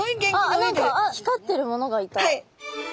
あ何か光ってるものがいた。